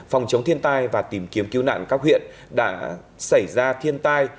phòng chống thiên tai và tìm kiếm cứu nạn các huyện đã xảy ra thiên tai